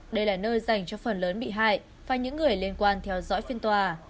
đây là nơi dành cho phần lớn bị hại và những người liên quan theo dõi phiên tòa